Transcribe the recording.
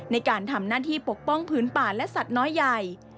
ในการทำหน้าที่ปกป้องพื้นป่าและสัตว์น้อยใหญ่